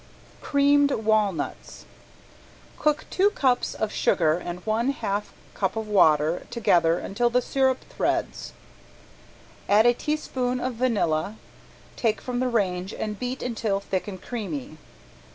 ~CREAMED WALNUTS~ Cook two cups of sugar and one half cup of water together until the sirup threads. Add a teaspoon of vanilla, take from the range and beat until thick and creamy.